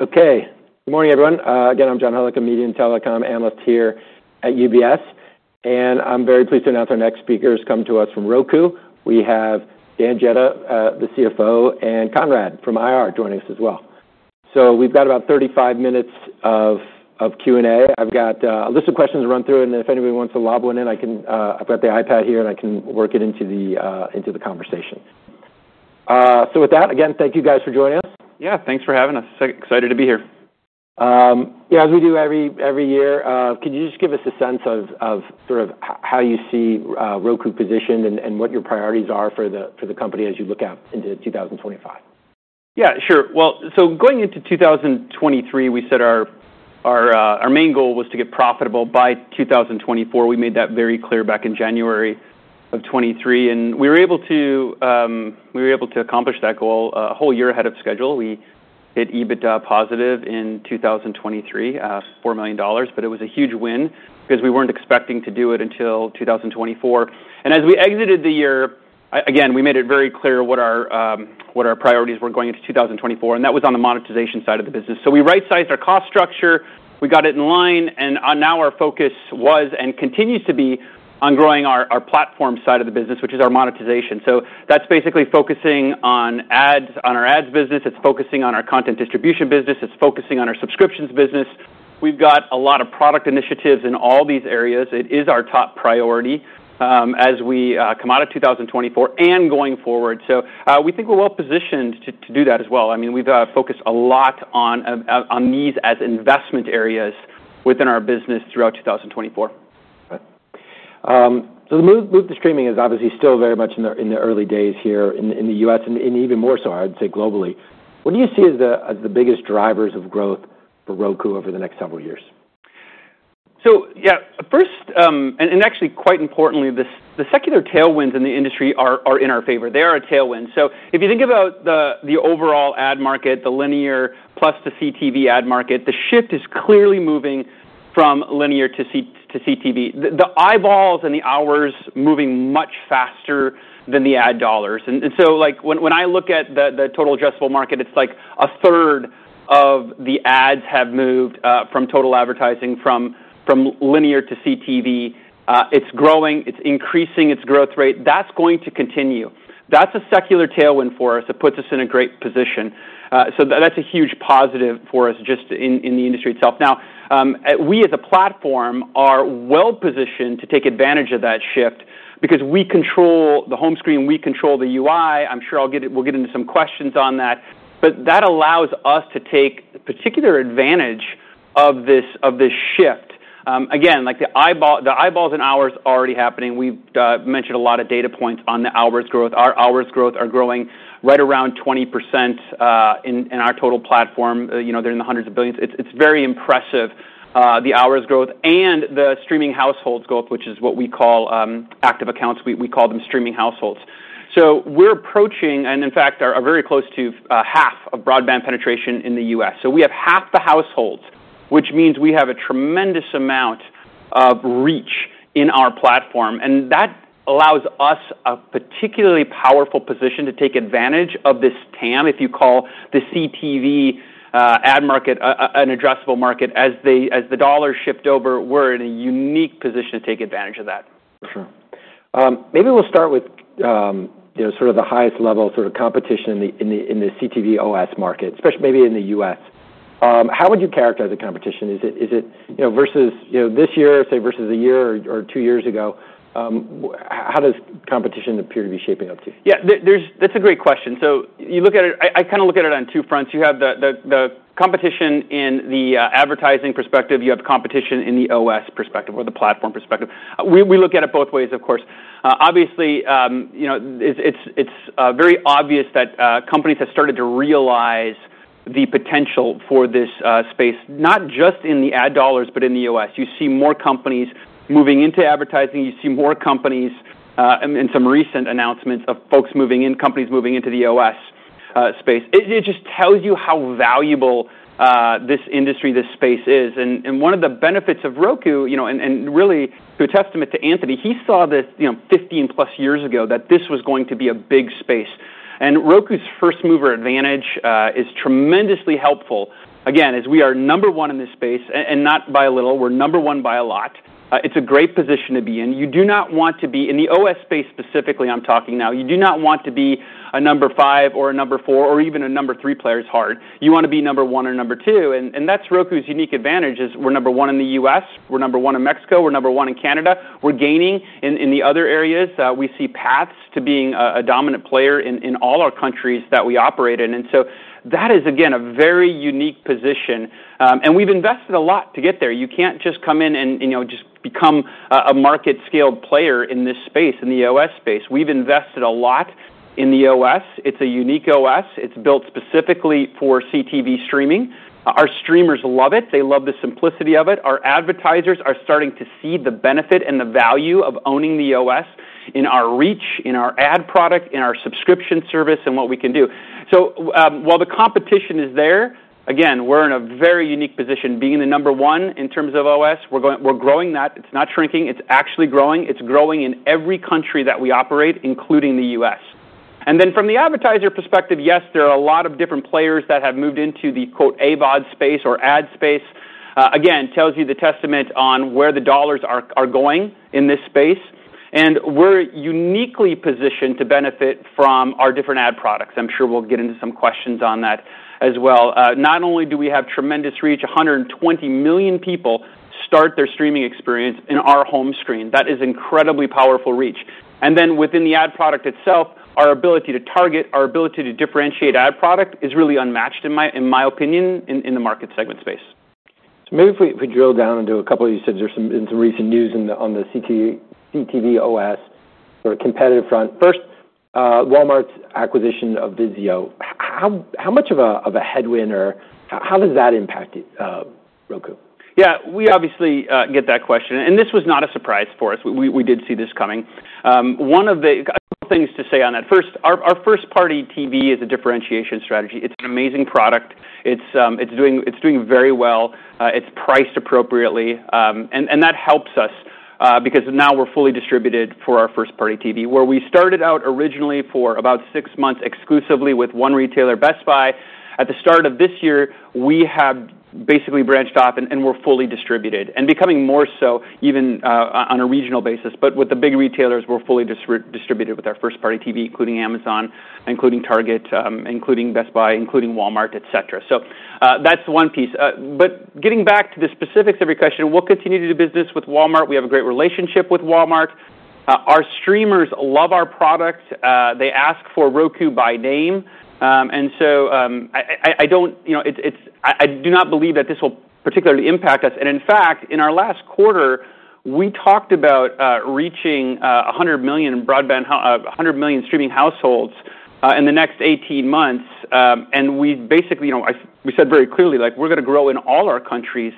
Okay. Good morning, everyone. Again, I'm John Hodulik, a media and telecom analyst here at UBS. And I'm very pleased to announce our next speakers come to us from Roku. We have Dan Jedda, the CFO, and Conrad from IR joining us as well. So we've got about 35 minutes of Q&A. I've got a list of questions to run through. And if anybody wants to lob one in, I can. I've got the iPad here, and I can work it into the conversation, so with that, again, thank you guys for joining us. Yeah. Thanks for having us. Excited to be here. Yeah, as we do every year, could you just give us a sense of how you see Roku positioned and what your priorities are for the company as you look out into 2025? Yeah. Sure. Well, so going into 2023, we set our main goal was to get profitable by 2024. We made that very clear back in January of 2023. And we were able to accomplish that goal, a whole year ahead of schedule. We hit EBITDA positive in 2023, $4 million. But it was a huge win because we weren't expecting to do it until 2024. And as we exited the year, again, we made it very clear what our priorities were going into 2024. And that was on the monetization side of the business. So we right-sized our cost structure. We got it in line. And now our focus was and continues to be on growing our platform side of the business, which is our monetization. So that's basically focusing on ads, on our ads business. It's focusing on our content distribution business. It's focusing on our subscriptions business. We've got a lot of product initiatives in all these areas. It is our top priority, as we come out of 2024 and going forward. So, we think we're well-positioned to do that as well. I mean, we've focused a lot on these as investment areas within our business throughout 2024. Okay, so the move to streaming is obviously still very much in the early days here in the U.S. and even more so, I'd say, globally. What do you see as the biggest drivers of growth for Roku over the next several years? So, yeah, first and actually, quite importantly, the secular tailwinds in the industry are in our favor. They are a tailwind. So if you think about the overall ad market, the linear plus the CTV ad market, the shift is clearly moving from linear to CTV. The eyeballs and the hours moving much faster than the ad dollars. And so, like, when I look at the total addressable market, it's like a third of the ads have moved from total advertising from linear to CTV. It's growing. It's increasing its growth rate. That's going to continue. That's a secular tailwind for us. It puts us in a great position. That's a huge positive for us just in the industry itself. Now, we as a platform are well-positioned to take advantage of that shift because we control the home screen. We control the UI. I'm sure we'll get into some questions on that. But that allows us to take particular advantage of this, of this shift. Again, like, the eyeballs and hours are already happening. We've mentioned a lot of data points on the hours growth. Our hours growth are growing right around 20%, in our total platform. You know, they're in the hundreds of billions. It's very impressive, the hours growth and the Streaming Households growth, which is what we call, Active Accounts. We call them Streaming Households. So we're approaching, and in fact, are very close to, half of broadband penetration in the U.S. So we have half the households, which means we have a tremendous amount of reach in our platform. And that allows us a particularly powerful position to take advantage of this TAM. If you call the CTV ad market an adjustable market as the dollars shift over, we're in a unique position to take advantage of that. For sure. Maybe we'll start with, you know, sort of the highest level sort of competition in the CTV OS market, especially maybe in the U.S. How would you characterize the competition? Is it, you know, versus, you know, this year, say, versus a year or two years ago? How does competition appear to be shaping up to you? Yeah. There's, that's a great question. So you look at it, I kinda look at it on two fronts. You have the competition in the advertising perspective. You have competition in the OS perspective or the platform perspective. We look at it both ways, of course. Obviously, you know, it's very obvious that companies have started to realize the potential for this space, not just in the ad dollars, but in the OS. You see more companies moving into advertising. You see more companies, and some recent announcements of folks moving in, companies moving into the OS space. It just tells you how valuable this industry, this space is. And one of the benefits of Roku, you know, and really a testament to Anthony, he saw this, you know, 15-plus years ago, that this was going to be a big space. Roku's first-mover advantage is tremendously helpful. Again, as we are number one in this space, and not by a little. We're number one by a lot. It's a great position to be in. You do not want to be in the OS space specifically, I'm talking now. You do not want to be a number five or a number four or even a number three player's part. You wanna be number one or number two. And that's Roku's unique advantage is we're number one in the U.S. We're number one in Mexico. We're number one in Canada. We're gaining in the other areas. We see paths to being a dominant player in all our countries that we operate in. And so that is, again, a very unique position. And we've invested a lot to get there. You can't just come in and, you know, just become a market-scaled player in this space, in the OS space. We've invested a lot in the OS. It's a unique OS. It's built specifically for CTV streaming. Our streamers love it. They love the simplicity of it. Our advertisers are starting to see the benefit and the value of owning the OS in our reach, in our ad product, in our subscription service, and what we can do. So, while the competition is there, again, we're in a very unique position. Being the number one in terms of OS, we're going, we're growing that. It's not shrinking. It's actually growing. It's growing in every country that we operate, including the U.S. And then from the advertiser perspective, yes, there are a lot of different players that have moved into the, quote, AVOD space or ad space. Again, it tells you the testament to where the dollars are going in this space. And we're uniquely positioned to benefit from our different ad products. I'm sure we'll get into some questions on that as well. Not only do we have tremendous reach, 120 million people start their streaming experience in our home screen. That is incredibly powerful reach. And then within the ad product itself, our ability to target, our ability to differentiate ad product is really unmatched in my opinion, in the market segment space. So maybe if we drill down into a couple of, you said there's some recent news in the, on the CTV OS, sort of competitive front. First, Walmart's acquisition of Vizio. How much of a headwind or how does that impact Roku? Yeah. We obviously get that question. And this was not a surprise for us. We did see this coming. One of the, a couple of things to say on that. First, our first-party TV is a differentiation strategy. It's an amazing product. It's doing very well. It's priced appropriately. And that helps us, because now we're fully distributed for our first-party TV, where we started out originally for about six months exclusively with one retailer, Best Buy. At the start of this year, we have basically branched off and we're fully distributed and becoming more so even on a regional basis. But with the big retailers, we're fully distributed with our first-party TV, including Amazon, including Target, including Best Buy, including Walmart, etc. So, that's one piece. But getting back to the specifics of your question, we'll continue to do business with Walmart. We have a great relationship with Walmart. Our streamers love our product. They ask for Roku by name. And so, I don't, you know, it's, I do not believe that this will particularly impact us. In fact, in our last quarter, we talked about reaching 100 million broadband, 100 million Streaming Households in the next 18 months. We basically, you know, we said very clearly, like, we're gonna grow in all our countries,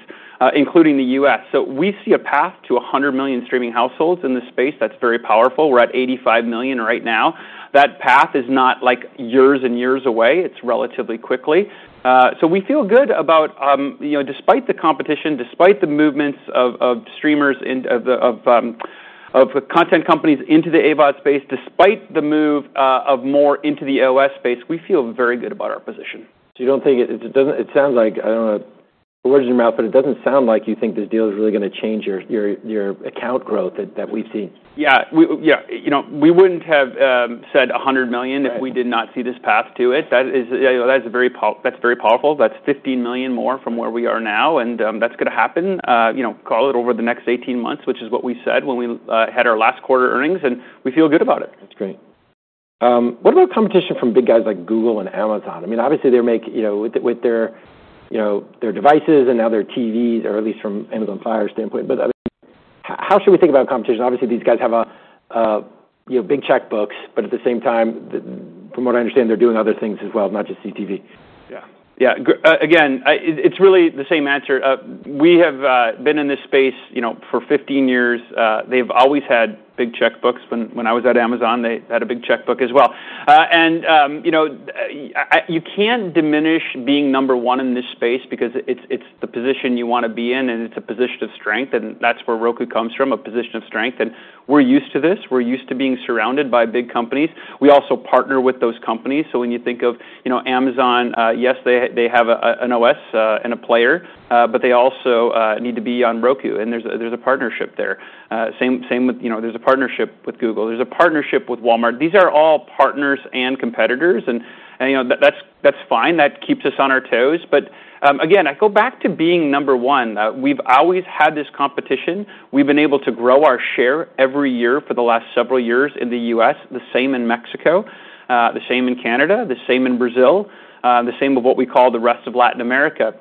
including the US. So we see a path to 100 million Streaming Households in this space. That's very powerful. We're at 85 million right now. That path is not, like, years and years away. It's relatively quickly. So we feel good about, you know, despite the competition, despite the movements of content companies into the AVOD space, despite the move of more into the OS space, we feel very good about our position. So you don't think it doesn't sound like I don't wanna put words in your mouth, but it doesn't sound like you think this deal is really gonna change your account growth that we've seen? Yeah. You know, we wouldn't have said 100 million if we did not see this path to it. You know, that is very powerful. That's 15 million more from where we are now. That's gonna happen, you know, call it over the next 18 months, which is what we said when we had our last quarter earnings. We feel good about it. That's great. What about competition from big guys like Google and Amazon? I mean, obviously, they're making, you know, with their devices and now their TVs, or at least from Amazon Fire standpoint. But, I mean, how should we think about competition? Obviously, these guys have a big checkbooks. But at the same time, the, from what I understand, they're doing other things as well, not just CTV. Yeah. Yeah. Again, it's really the same answer. We have been in this space, you know, for 15 years. They've always had big checkbooks. When I was at Amazon, they had a big checkbook as well, and, you know, you can't diminish being number one in this space because it's the position you wanna be in, and it's a position of strength. That's where Roku comes from, a position of strength. We're used to this. We're used to being surrounded by big companies. We also partner with those companies. So when you think of, you know, Amazon, yes, they have an OS and a player, but they also need to be on Roku. There's a partnership there. Same with, you know, there's a partnership with Google. There's a partnership with Walmart. These are all partners and competitors. And you know, that's fine. That keeps us on our toes. But again, I go back to being number one. We've always had this competition. We've been able to grow our share every year for the last several years in the U.S., the same in Mexico, the same in Canada, the same in Brazil, the same of what we call the rest of Latin America.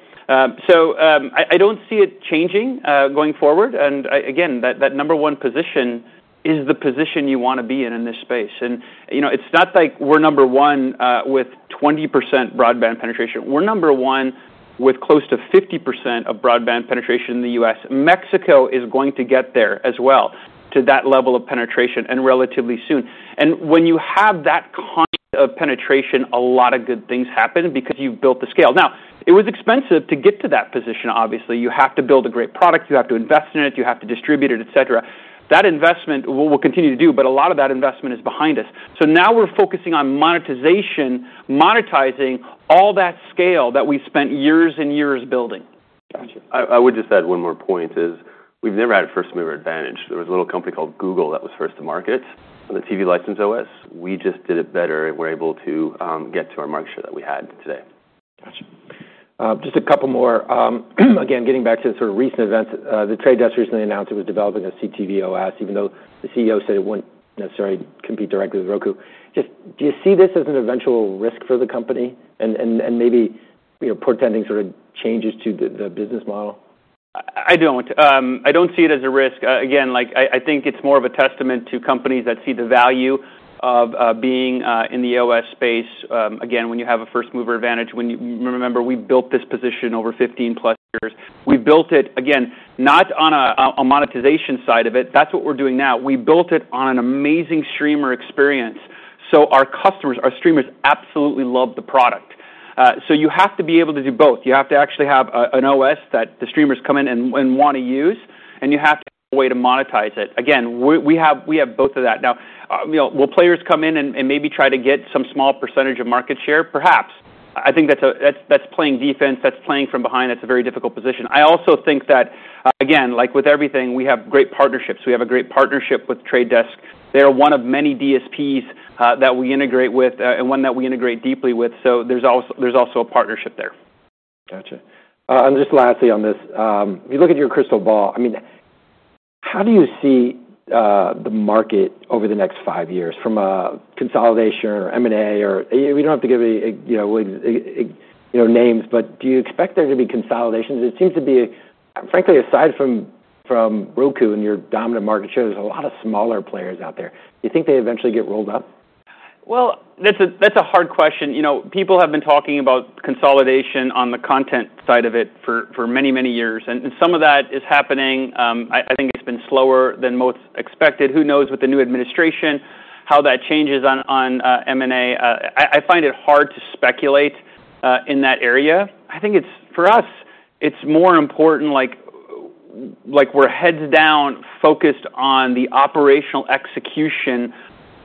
So, I don't see it changing, going forward. And I again, that number one position is the position you wanna be in, in this space. And you know, it's not like we're number one with 20% broadband penetration. We're number one with close to 50% of broadband penetration in the U.S. Mexico is going to get there as well to that level of penetration and relatively soon. And when you have that kind of penetration, a lot of good things happen because you've built the scale. Now, it was expensive to get to that position, obviously. You have to build a great product. You have to invest in it. You have to distribute it, etc. That investment, we'll continue to do. But a lot of that investment is behind us. So now we're focusing on monetization, monetizing all that scale that we spent years and years building. Gotcha. I would just add one more point is we've never had a first-mover advantage. There was a little company called Google that was first to market on the TV license OS. We just did it better, and we're able to get to our market share that we had today. Gotcha. Just a couple more. Again, getting back to sort of recent events, The Trade Desk recently announced it was developing a CTV OS, even though the CEO said it wouldn't necessarily compete directly with Roku. Just do you see this as an eventual risk for the company and maybe, you know, portending sort of changes to the business model? I don't. I don't see it as a risk. Again, like, I think it's more of a testament to companies that see the value of being in the OS space. Again, when you have a first-mover advantage, when you remember we built this position over 15-plus years. We built it, again, not on a monetization side of it. That's what we're doing now. We built it on an amazing streamer experience. So our customers, our streamers absolutely love the product. So you have to be able to do both. You have to actually have an OS that the streamers come in and wanna use, and you have to have a way to monetize it. Again, we have both of that. Now, you know, will players come in and maybe try to get some small percentage of market share? Perhaps. I think that's playing defense. That's playing from behind. That's a very difficult position. I also think that, again, like with everything, we have great partnerships. We have a great partnership with The Trade Desk. They're one of many DSPs that we integrate with, and one that we integrate deeply with. So there's also a partnership there. Gotcha, and just lastly on this, if you look at your crystal ball, I mean, how do you see the market over the next five years from a consolidation or M&A or we don't have to give a, you know, names, but do you expect there to be consolidations? It seems, frankly, aside from Roku and your dominant market share, there's a lot of smaller players out there. Do you think they eventually get rolled up? That's a hard question. You know, people have been talking about consolidation on the content side of it for many, many years. And some of that is happening. I think it's been slower than most expected. Who knows with the new administration how that changes on M&A? I find it hard to speculate in that area. I think for us it's more important, like we're heads down focused on the operational execution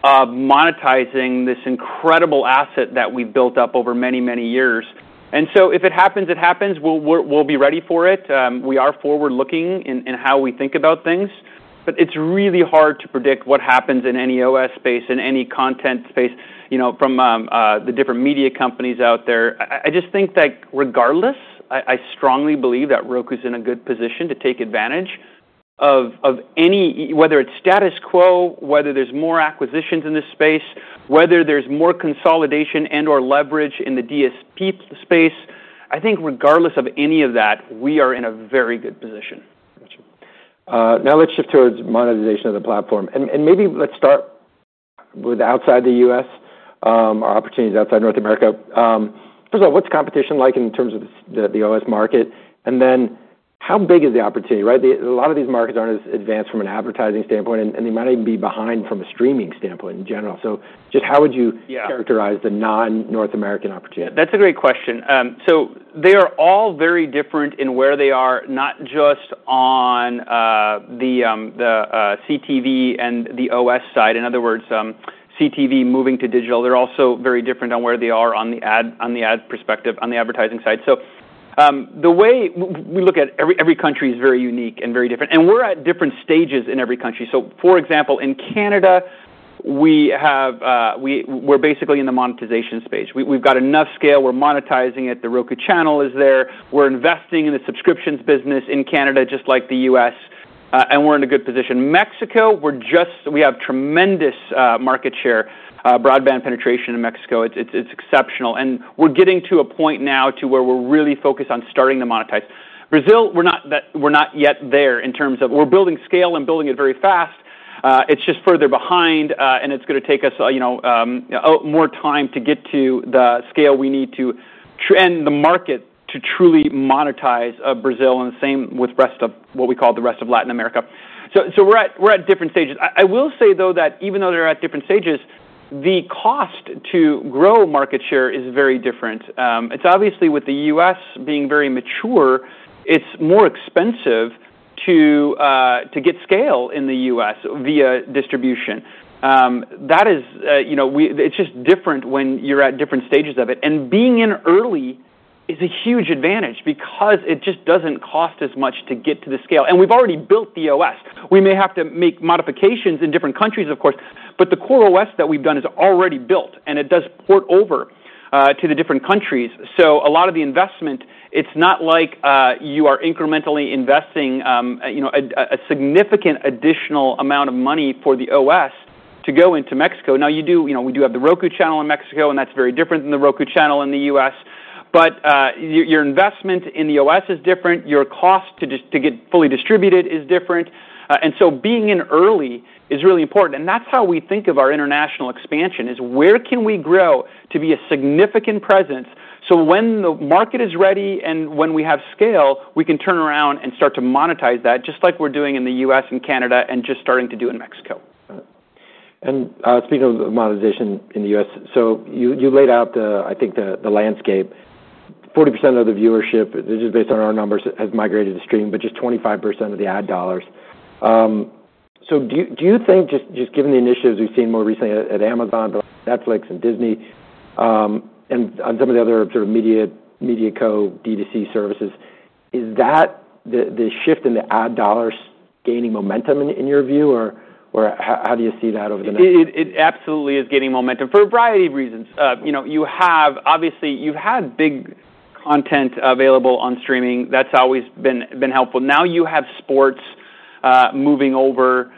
of monetizing this incredible asset that we've built up over many, many years. And so if it happens, it happens. We'll be ready for it. We are forward-looking in how we think about things. But it's really hard to predict what happens in any OS space, in any content space, you know, from the different media companies out there. I just think that regardless, I strongly believe that Roku's in a good position to take advantage of any, whether it's status quo, whether there's more acquisitions in this space, whether there's more consolidation and/or leverage in the DSP space. I think regardless of any of that, we are in a very good position. Gotcha. Now let's shift towards monetization of the platform. And maybe let's start with outside the U.S., or opportunities outside North America. First of all, what's competition like in terms of the OS market? And then how big is the opportunity, right? A lot of these markets aren't as advanced from an advertising standpoint, and they might even be behind from a streaming standpoint in general. So just how would you. Yeah. Characterize the non-North American opportunity? That's a great question. So they are all very different in where they are, not just on the CTV and the OS side. In other words, CTV moving to digital. They're also very different on where they are on the ad perspective, on the advertising side. So the way we look at every country is very unique and very different. And we're at different stages in every country. So for example, in Canada, we're basically in the monetization space. We've got enough scale. We're monetizing it. The Roku Channel is there. We're investing in the subscriptions business in Canada, just like the U.S. And we're in a good position. Mexico, we have tremendous market share, broadband penetration in Mexico. It's exceptional. We're getting to a point now where we're really focused on starting to monetize. In Brazil, we're not there yet in terms of we're building scale and building it very fast. It's just further behind, and it's gonna take us, you know, more time to get to the scale we need to trend the market to truly monetize Brazil, and same with rest of what we call the rest of Latin America. So we're at different stages. I will say, though, that even though they're at different stages, the cost to grow market share is very different. It's obviously with the U.S. being very mature, it's more expensive to get scale in the U.S. via distribution. That is, you know, it's just different when you're at different stages of it. Being in early is a huge advantage because it just doesn't cost as much to get to the scale. We've already built the OS. We may have to make modifications in different countries, of course. The core OS that we've done is already built, and it does port over to the different countries. A lot of the investment, it's not like you are incrementally investing, you know, a significant additional amount of money for the OS to go into Mexico. Now, you do, you know, we do have the Roku channel in Mexico, and that's very different than the Roku channel in the U.S. Your investment in the OS is different. Your cost to get fully distributed is different. Being in early is really important. That's how we think of our international expansion: where we can grow to be a significant presence so when the market is ready and when we have scale, we can turn around and start to monetize that, just like we're doing in the U.S. and Canada and just starting to do in Mexico. Speaking of the monetization in the U.S., so you laid out the landscape, I think. 40% of the viewership, just based on our numbers, has migrated to streaming, but just 25% of the ad dollars. So do you think, just given the initiatives we've seen more recently at Amazon, Netflix, and Disney, and on some of the other sort of media co DTC services, is that the shift in the ad dollars gaining momentum in your view, or how do you see that over the next? It absolutely is gaining momentum for a variety of reasons. You know, you have, obviously, you've had big content available on streaming. That's always been helpful. Now you have sports moving over,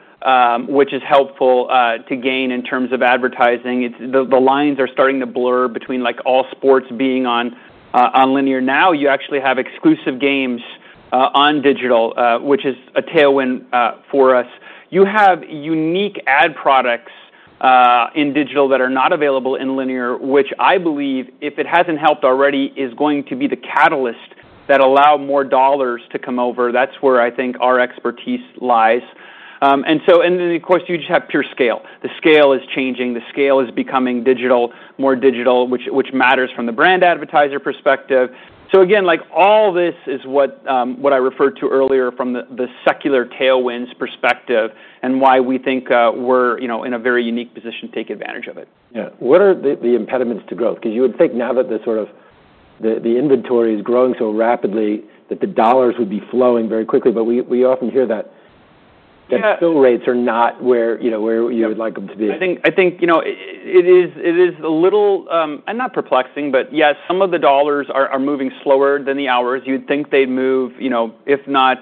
which is helpful to gain in terms of advertising. It's the lines are starting to blur between, like, all sports being on linear. Now you actually have exclusive games on digital, which is a tailwind for us. You have unique ad products in digital that are not available in linear, which I believe, if it hasn't helped already, is going to be the catalyst that allow more dollars to come over. That's where I think our expertise lies, and so, and then, of course, you just have pure scale. The scale is changing. The scale is becoming digital, more digital, which matters from the brand advertiser perspective. So again, like, all this is what I referred to earlier from the secular tailwinds perspective and why we think we're, you know, in a very unique position to take advantage of it. Yeah. What are the impediments to growth? 'Cause you would think now that the sort of inventory is growing so rapidly that the dollars would be flowing very quickly. But we often hear that. Yeah. That the fill rates are not where, you know, where you would like them to be. I think, you know, it is a little, and not perplexing, but yes, some of the dollars are moving slower than the hours. You'd think they'd move, you know, if not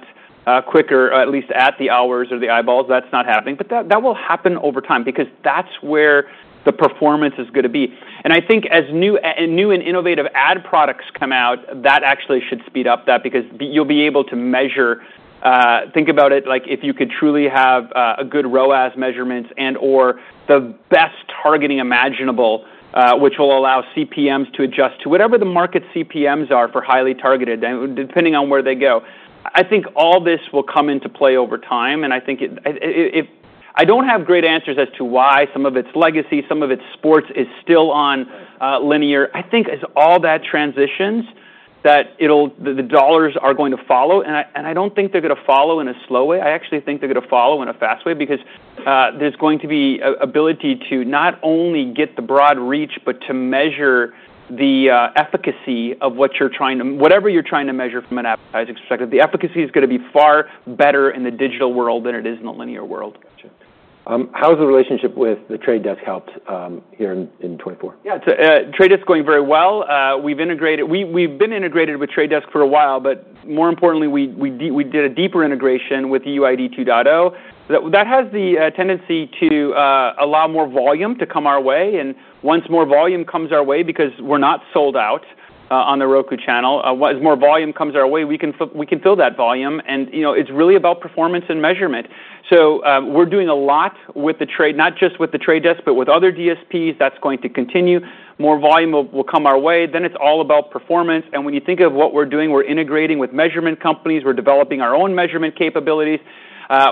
quicker, at least at the hours or the eyeballs. That's not happening. But that will happen over time because that's where the performance is gonna be. And I think as new and innovative ad products come out, that actually should speed up that because you'll be able to measure. Think about it like if you could truly have a good ROAS measurements and/or the best targeting imaginable, which will allow CPMs to adjust to whatever the market CPMs are for highly targeted, depending on where they go. I think all this will come into play over time. And I think I don't have great answers as to why some of its legacy, some of its sports is still on linear. I think as all that transitions that it'll the dollars are going to follow. And I don't think they're gonna follow in a slow way. I actually think they're gonna follow in a fast way because there's going to be an ability to not only get the broad reach but to measure the efficacy of what you're trying to, whatever you're trying to measure from an advertising perspective. The efficacy is gonna be far better in the digital world than it is in the linear world. Gotcha. How has the relationship with The Trade Desk helped here in 2024? Yeah. It's The Trade Desk going very well. We've integrated. We've been integrated with The Trade Desk for a while, but more importantly, we did a deeper integration with UID 2.0. That has the tendency to allow more volume to come our way. And once more volume comes our way because we're not sold out on the Roku Channel, we can fill that volume. And, you know, it's really about performance and measurement. So, we're doing a lot with The Trade Desk, not just with The Trade Desk, but with other DSPs. That's going to continue. More volume will come our way. Then it's all about performance. And when you think of what we're doing, we're integrating with measurement companies. We're developing our own measurement capabilities.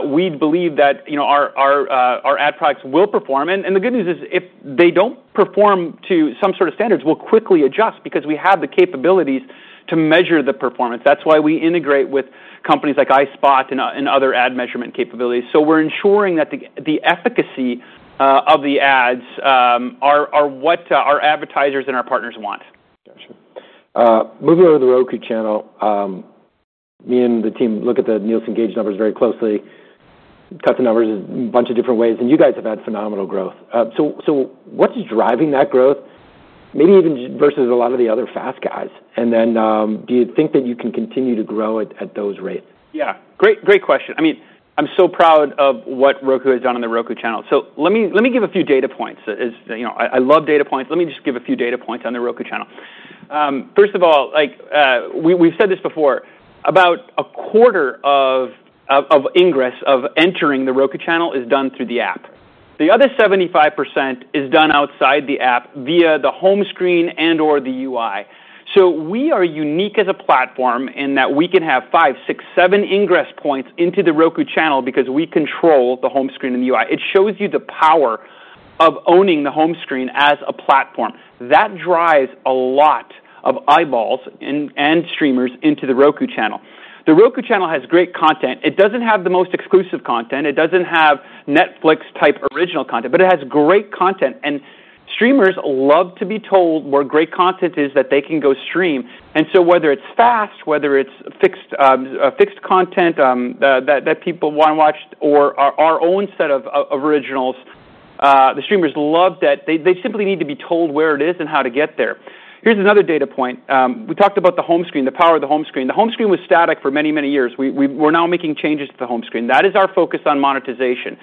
We believe that, you know, our ad products will perform. The good news is if they don't perform to some sort of standards, we'll quickly adjust because we have the capabilities to measure the performance. That's why we integrate with companies like iSpot and other ad measurement capabilities. We're ensuring that the efficacy of the ads are what our advertisers and our partners want. Gotcha. Moving over to the Roku channel, me and the team look at the Nielsen Gauge numbers very closely, cut the numbers a bunch of different ways. And you guys have had phenomenal growth. So, so what's driving that growth, maybe even versus a lot of the other FAST guys? And then, do you think that you can continue to grow at, at those rates? Yeah. Great, great question. I mean, I'm so proud of what Roku has done on the Roku Channel. So let me, let me give a few data points. As you know, I love data points. Let me just give a few data points on the Roku Channel. First of all, like, we've said this before, about a quarter of ingress of entering the Roku Channel is done through the app. The other 75% is done outside the app via the home screen and/or the UI. So we are unique as a platform in that we can have five, six, seven ingress points into the Roku Channel because we control the home screen and the UI. It shows you the power of owning the home screen as a platform. That drives a lot of eyeballs and streamers into the Roku Channel. The Roku Channel has great content. It doesn't have the most exclusive content. It doesn't have Netflix-type original content, but it has great content, and streamers love to be told where great content is that they can go stream, and so whether it's Fast, whether it's fixed, Fixed Content, that, that people wanna watch or our, our own set of, of originals, the streamers love that. They, they simply need to be told where it is and how to get there. Here's another data point. We talked about the home screen, the power of the home screen. The home screen was static for many, many years. We, we were now making changes to the home screen. That is our focus on monetization,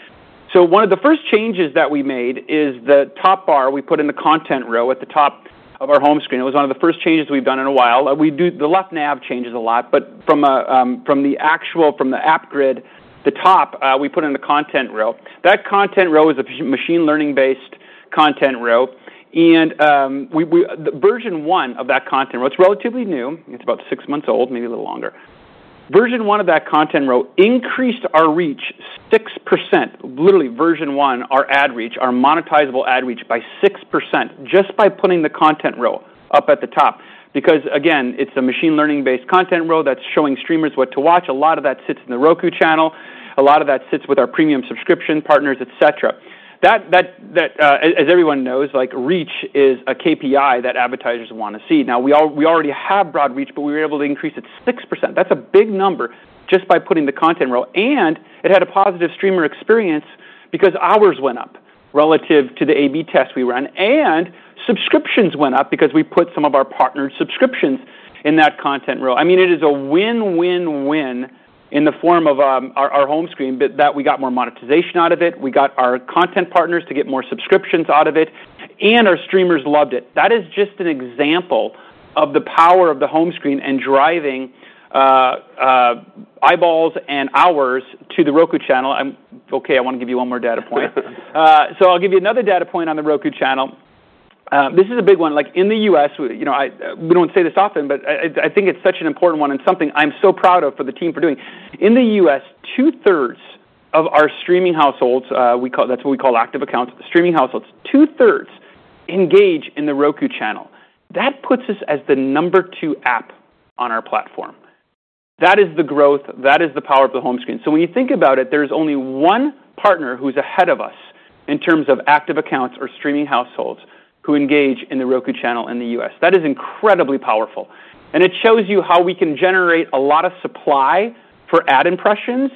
so one of the first changes that we made is the top bar we put in the Content Row at the top of our home screen. It was one of the first changes we've done in a while. We do the left nav changes a lot, but from the actual app grid, the top, we put in the content row. That content row is a machine learning-based content row. And the version one of that content row, it's relatively new. It's about six months old, maybe a little longer. Version one of that content row increased our reach 6%, literally version one, our ad reach, our monetizable ad reach by 6% just by putting the content row up at the top. Because again, it's a machine learning-based content row that's showing streamers what to watch. A lot of that sits in the Roku channel. A lot of that sits with our premium subscription partners, etc. That, as everyone knows, like, reach is a KPI that advertisers wanna see. Now, we already have broad reach, but we were able to increase it 6%. That's a big number just by putting the content row. And it had a positive streamer experience because hours went up relative to the A/B test we ran. And subscriptions went up because we put some of our partnered subscriptions in that content row. I mean, it is a win-win-win in the form of our home screen, but that we got more monetization out of it. We got our content partners to get more subscriptions out of it, and our streamers loved it. That is just an example of the power of the home screen and driving eyeballs and hours to the Roku channel. I'm okay. I wanna give you one more data point. So I'll give you another data point on the Roku Channel. This is a big one. Like, in the US, we, you know, we don't say this often, but I think it's such an important one and something I'm so proud of for the team for doing. In the US, two-thirds of our Streaming Households, we call that's what we call Active Accounts, Streaming Households, two-thirds engage in the Roku Channel. That puts us as the number two app on our platform. That is the growth. That is the power of the home screen. So when you think about it, there's only one partner who's ahead of us in terms of Active Accounts or Streaming Households who engage in the Roku Channel in the US. That is incredibly powerful, and it shows you how we can generate a lot of supply for ad impressions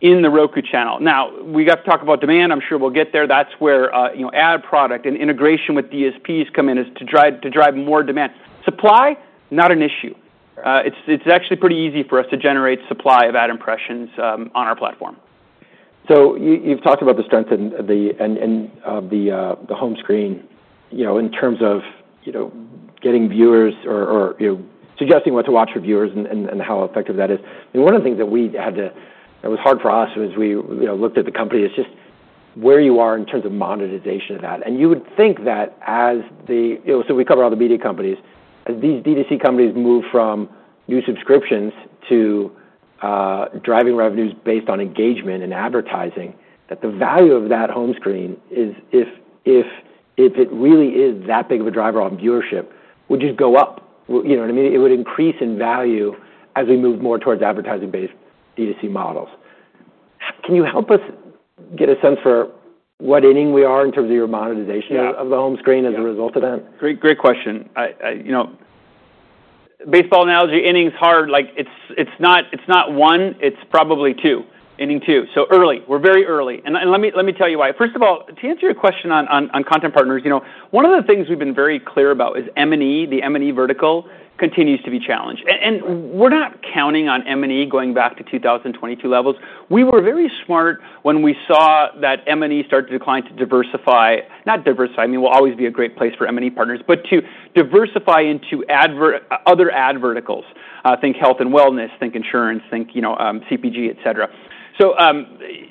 in the Roku Channel. Now, we got to talk about demand. I'm sure we'll get there. That's where, you know, ad product and integration with DSPs come in is to drive more demand. Supply, not an issue. It's actually pretty easy for us to generate supply of ad impressions on our platform. You've talked about the strength and the home screen, you know, in terms of, you know, getting viewers or, you know, suggesting what to watch for viewers and how effective that is. One of the things that was hard for us as we, you know, looked at the company is just where you are in terms of monetization of that. You would think that, you know, so we cover all the media companies. As these DTC companies move from new subscriptions to driving revenues based on engagement and advertising, that the value of that home screen is, if it really is that big of a driver on viewership, would just go up. You know what I mean? It would increase in value as we move more towards advertising-based DTC models. Can you help us get a sense for what inning we are in terms of your monetization of the home screen as a result of that? Yeah. Great, great question. I, you know, baseball analogy, inning's hard. Like, it's not one. It's probably two, inning two. So early. We're very early. And let me tell you why. First of all, to answer your question on content partners, you know, one of the things we've been very clear about is M&E, the M&E vertical continues to be challenged. And we're not counting on M&E going back to 2022 levels. We were very smart when we saw that M&E started to decline to diversify, not diversify, I mean, will always be a great place for M&E partners, but to diversify into other ad verticals. Think health and wellness, think insurance, think, you know, CPG, etc. So, everything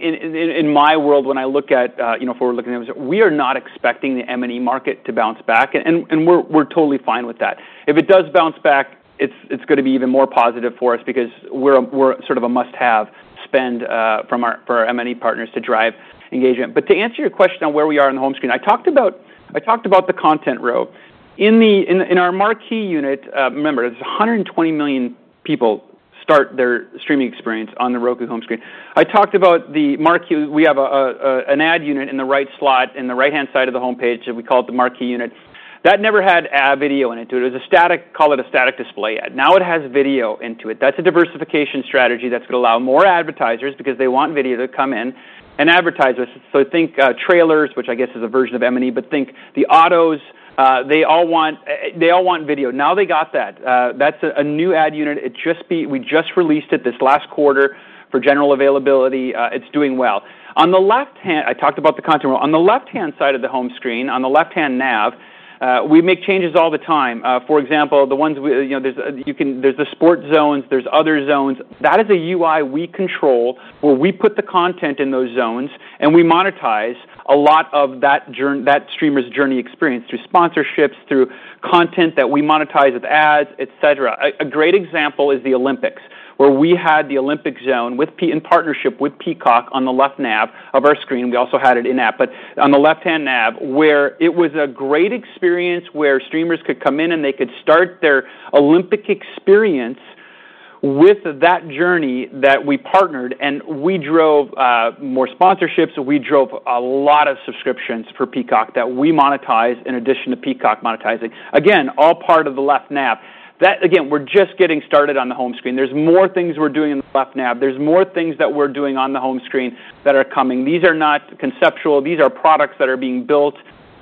in my world, when I look at, you know, if we're looking at those, we are not expecting the M&E market to bounce back, and we're totally fine with that. If it does bounce back, it's gonna be even more positive for us because we're sort of a must-have spend for our M&E partners to drive engagement. But to answer your question on where we are on the home screen, I talked about the Content Row. In our Marquee Unit, remember, it's 120 million people start their streaming experience on the Roku home screen. I talked about the Marquee. We have an ad unit in the right slot, in the right-hand side of the homepage. We call it the Marquee Unit. That never had ad video in it. It was a static, call it a static display ad. Now it has video into it. That's a diversification strategy that's gonna allow more advertisers because they want video to come in and advertise with us. So think, trailers, which I guess is a version of M&E, but think the autos, they all want, they all want video. Now they got that. That's a new ad unit. We just released it this last quarter for general availability. It's doing well. On the left-hand, I talked about the content row. On the left-hand side of the home screen, on the left-hand nav, we make changes all the time. For example, you know, there's the sports zones. There's other zones. That is a UI we control where we put the content in those zones, and we monetize a lot of that journey, that streamer's journey experience through sponsorships, through content that we monetize with ads, etc. A great example is the Olympics, where we had the Olympic Zone with Peacock in partnership with Peacock on the left nav of our screen. We also had it in-app, but on the left-hand nav, where it was a great experience where streamers could come in and they could start their Olympic experience with that journey that we partnered and we drove more sponsorships. We drove a lot of subscriptions for Peacock that we monetize in addition to Peacock monetizing. Again, all part of the left nav. That, again, we're just getting started on the home screen. There's more things we're doing in the left nav. There's more things that we're doing on the home screen that are coming. These are not conceptual. These are products that are being built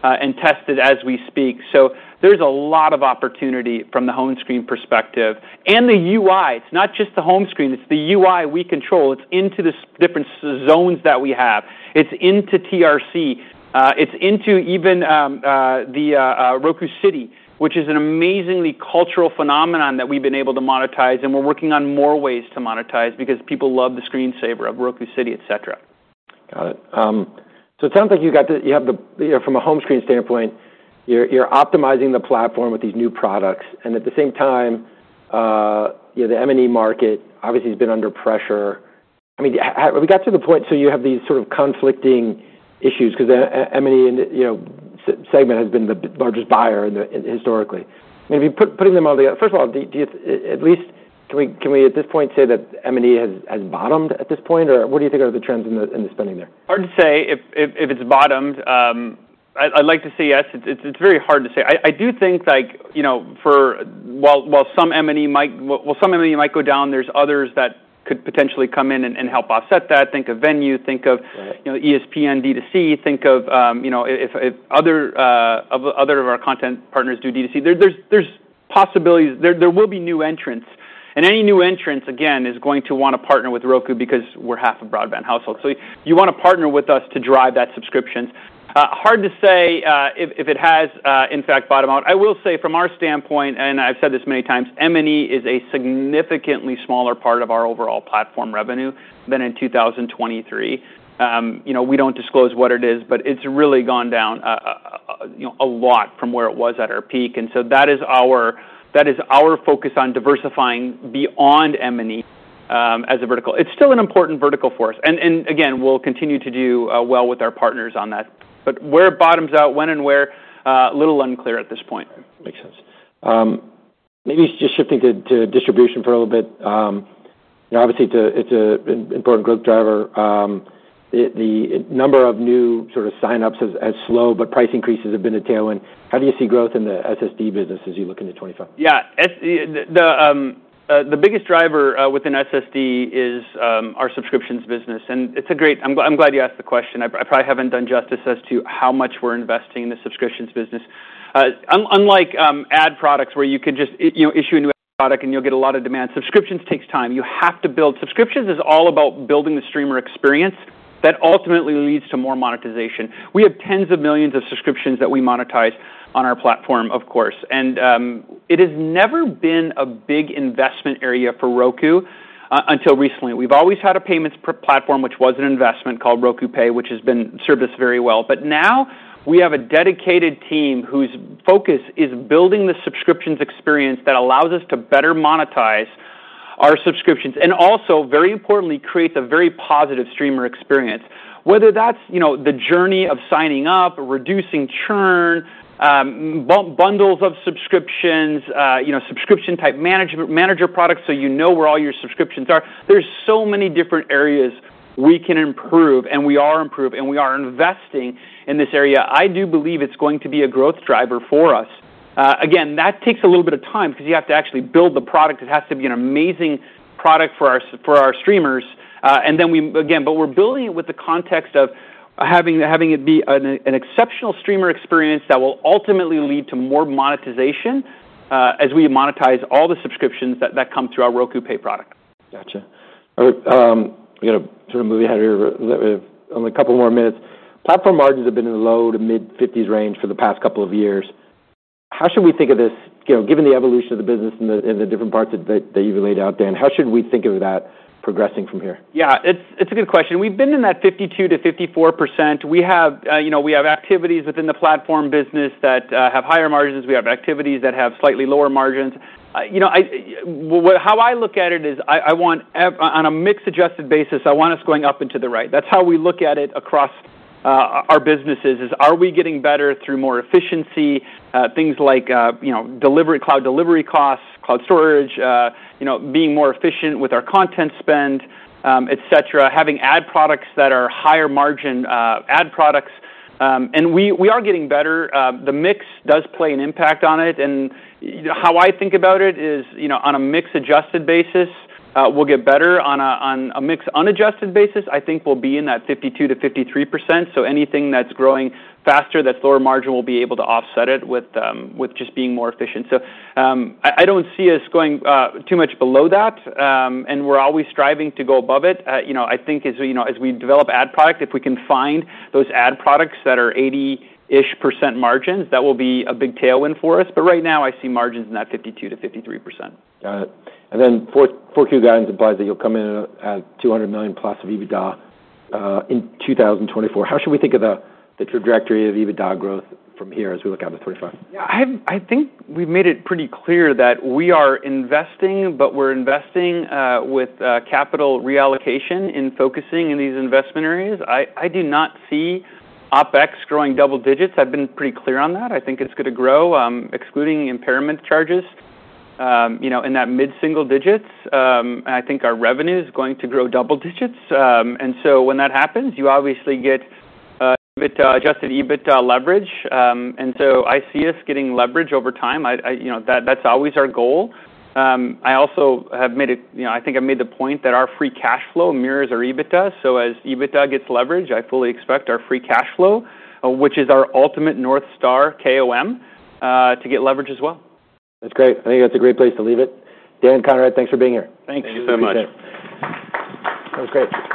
and tested as we speak. So there's a lot of opportunity from the home screen perspective. And the UI, it's not just the home screen. It's the UI we control. It's into the different zones that we have. It's into TRC. It's into even the Roku City, which is an amazingly cultural phenomenon that we've been able to monetize. And we're working on more ways to monetize because people love the screensaver of Roku City, etc. Got it. So it sounds like you have the, you know, from a home screen standpoint, you're optimizing the platform with these new products. And at the same time, you know, the M&E market obviously has been under pressure. I mean, have we got to the point so you have these sort of conflicting issues? 'Cause the M&E, you know, segment has been the largest buyer in historically. I mean, if you put putting them all together, first of all, do you at least can we at this point say that M&E has bottomed at this point? Or what do you think are the trends in the spending there? Hard to say if it's bottomed. I'd like to say yes. It's very hard to say. I do think, like, you know, for while some M&E might go down, there's others that could potentially come in and help offset that. Think of Venu. Think of, you know, ESPN, DTC. Think of, you know, if other of our content partners do DTC. There's possibilities. There will be new entrants. And any new entrants, again, is going to wanna partner with Roku because we're half a broadband household. So you wanna partner with us to drive that subscriptions. Hard to say if it has, in fact, bottomed out. I will say from our standpoint, and I've said this many times, M&E is a significantly smaller part of our overall platform revenue than in 2023. You know, we don't disclose what it is, but it's really gone down, you know, a lot from where it was at our peak. And so that is our focus on diversifying beyond M&E, as a vertical. It's still an important vertical for us. And again, we'll continue to do well with our partners on that. But where it bottoms out, when and where, a little unclear at this point. Makes sense. Maybe just shifting to distribution for a little bit. You know, obviously it's an important growth driver. The number of new sort of sign-ups has slowed, but price increases have been a tailwind. How do you see growth in the SSD business as you look into 2025? Yeah. So the biggest driver within SSD is our subscriptions business. And it's great. I'm glad you asked the question. I probably haven't done justice as to how much we're investing in the subscriptions business. Unlike ad products where you could just, you know, issue a new ad product and you'll get a lot of demand. Subscriptions takes time. You have to build. Subscriptions is all about building the streamer experience that ultimately leads to more monetization. We have tens of millions of subscriptions that we monetize on our platform, of course. And it has never been a big investment area for Roku, until recently. We've always had a payments platform, which was an investment called Roku Pay, which has served us very well. But now we have a dedicated team whose focus is building the subscriptions experience that allows us to better monetize our subscriptions and also, very importantly, create the very positive streamer experience. Whether that's, you know, the journey of signing up, reducing churn, bundles of subscriptions, you know, subscription-type management, manager products so you know where all your subscriptions are. There's so many different areas we can improve, and we are improving, and we are investing in this area. I do believe it's going to be a growth driver for us. Again, that takes a little bit of time 'cause you have to actually build the product. It has to be an amazing product for our streamers. And then we, again, but we're building it with the context of having it be an exceptional streamer experience that will ultimately lead to more monetization, as we monetize all the subscriptions that come through our Roku Pay product. Gotcha. We gotta sort of move ahead here. We have only a couple more minutes. Platform margins have been in the low to mid-50s range for the past couple of years. How should we think of this, you know, given the evolution of the business and the different parts that you've laid out, Dan? How should we think of that progressing from here? Yeah. It's a good question. We've been in that 52%-54%. We have, you know, we have activities within the platform business that have higher margins. We have activities that have slightly lower margins. You know, I, how I look at it is I, I want EBITDA on a mix-adjusted basis. I want us going up and to the right. That's how we look at it across our businesses is, are we getting better through more efficiency, things like, you know, cloud delivery costs, cloud storage, you know, being more efficient with our content spend, etc., having ad products that are higher margin, ad products. And we, we are getting better. The mix does play an impact on it. And how I think about it is, you know, on a mix-adjusted basis, we'll get better. On a mixed-unadjusted basis, I think we'll be in that 52%-53%. So anything that's growing faster, that's lower margin, we'll be able to offset it with just being more efficient. So, I don't see us going too much below that. And we're always striving to go above it. You know, I think as we, you know, as we develop ad product, if we can find those ad products that are 80-ish% margins, that will be a big tailwind for us. But right now, I see margins in that 52%-53%. Got it. And then for Q4 guidance, it implies that you'll come in at $200 million plus of EBITDA in 2024. How should we think of the trajectory of EBITDA growth from here as we look out to 2025? Yeah. I have, I think we've made it pretty clear that we are investing, but we're investing with capital reallocation in focusing in these investment areas. I do not see OPEX growing double digits. I've been pretty clear on that. I think it's gonna grow, excluding impairment charges, you know, in that mid-single digits. I think our revenue is going to grow double digits. When that happens, you obviously get EBITDA-adjusted EBITDA leverage. I see us getting leverage over time. You know, that's always our goal. I also have made a, you know, I think I've made the point that our free cash flow mirrors our EBITDA. As EBITDA gets leveraged, I fully expect our free cash flow, which is our ultimate North Star KOM, to get leverage as well. That's great. I think that's a great place to leave it. Dan, Conrad, thanks for being here. Thank you so much. Thank you. That was great.